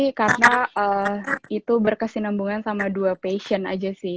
pengen jadi pramugari karena itu berkesinambungan sama dua passion aja sih